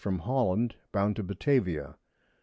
from Holland, bound to Batavia.